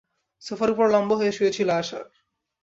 সোফার উপর লম্বা হয়ে শুয়েছিল আশার।